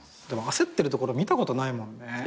でも焦ってるところ見たことないもんね。